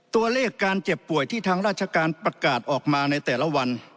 ตัวเลขการเจ็บป่วยที่ทางราชการประกาศออกมาในแต่ละวัน